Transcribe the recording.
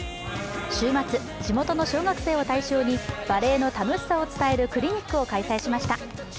週末、地元の小学生を対象にバレーの楽しさを伝えるクリニックを開催しました。